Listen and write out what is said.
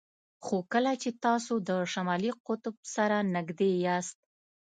خو کله چې تاسو د شمالي قطب سره نږدې یاست